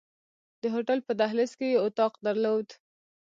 د هوټل په دهلیز کې یې اتاق درلود.